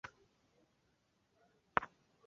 mugendere mu nzira ibayoboye zose,